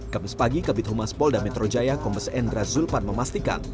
kamis pagi kabit humas polda metro jaya kombes endra zulpan memastikan